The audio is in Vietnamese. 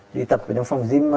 đi tập ở trong phòng gym